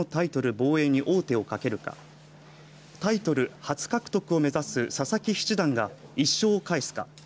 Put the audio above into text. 防衛に王手を懸けるかタイトル初獲得を目指す佐々木七段が１勝を返すか。